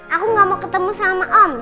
aku gak mau ketemu sama om